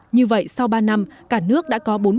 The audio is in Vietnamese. như vậy sau ba năm cả nước đã có